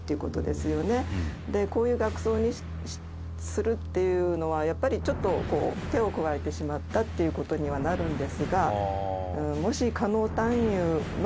「こういう額装にするっていうのはやっぱりちょっと手を加えてしまったっていう事にはなるんですが」